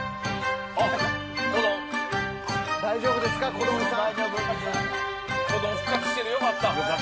大丈夫ですか小ドンさん。